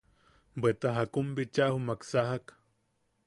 Bweta jakun bicha jumak sajak.